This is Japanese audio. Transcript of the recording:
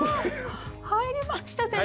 入りました先生！